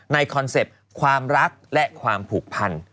คอนเซ็ปต์ความรักและความผูกพัน